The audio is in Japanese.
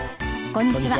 こんにちは。